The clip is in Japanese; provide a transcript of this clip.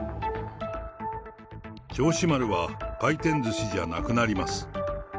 銚子丸は回転ずしじゃなくなります。